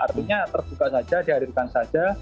artinya terbuka saja dihadirkan saja